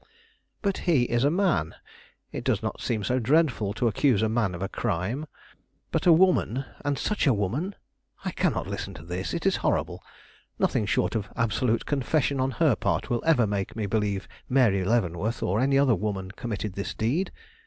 "But he is a man. It does not seem so dreadful to accuse a man of a crime. But a woman! and such a woman! I cannot listen to it; it is horrible. Nothing short of absolute confession on her part will ever make me believe Mary Leavenworth, or any other woman, committed this deed.